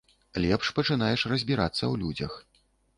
Лепш пачынаеш разбірацца ў людзях.